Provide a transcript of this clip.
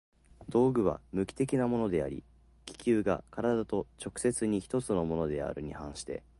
道具は無機的なものであり、器宮が身体と直接に一つのものであるに反して